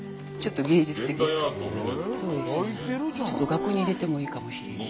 額に入れてもいいかもしれない。